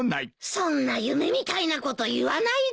そんな夢みたいなこと言わないでよ。